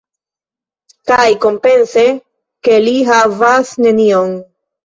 Kaj, kompense, ke li havas nenion.